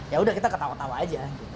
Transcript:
ya udah kita ketawa tawa aja